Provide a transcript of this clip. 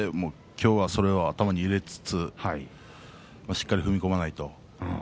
今日はそれを頭に入れつつしっかり踏み込まないと。